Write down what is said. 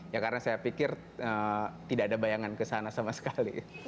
ya karena saya pikir tidak ada bayangan kesana sama sekali